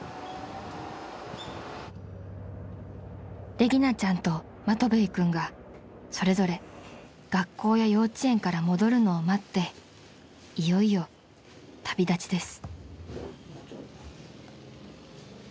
［レギナちゃんとマトヴェイ君がそれぞれ学校や幼稚園から戻るのを待っていよいよ旅立ちです］